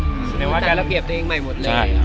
หมายถึงว่าการระเบียบตัวเองใหม่หมดเลย